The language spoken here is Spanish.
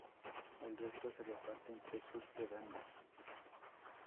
El resto se reparte entre sus pedanías.